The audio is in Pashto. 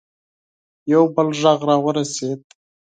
یو بل غږ راورسېد.